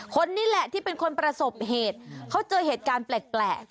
คนนี้แหละที่เป็นคนประสบเหตุเขาเจอเหตุการณ์แปลก